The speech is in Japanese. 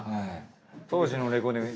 当時のレコーディング